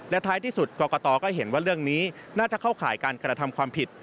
ท้ายที่สุดกรกตก็เห็นว่าเรื่องนี้น่าจะเข้าข่ายการกระทำความผิด